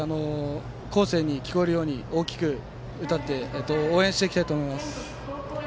孝成に聞こえるように大きく歌って応援していきたいと思います。